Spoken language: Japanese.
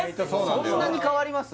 そんなに変わります？